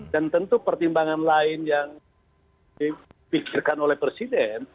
dan tentu pertimbangan lain yang dipikirkan oleh presiden